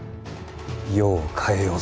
世を変えようぞ。